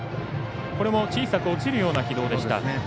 これも小さく落ちるような軌道でした。